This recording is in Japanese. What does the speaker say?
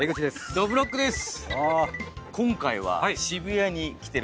どぶろっくです。